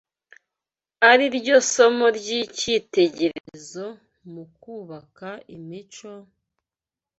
ari ryo somo ry’icyitegererezo mu kubaka imico,